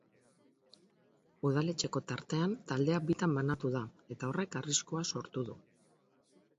Udaletxeko tartean taldea bitan banatu da eta horrek arriskua sortu du.